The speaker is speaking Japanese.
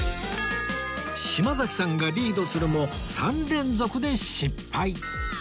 島崎さんがリードするも３連続で失敗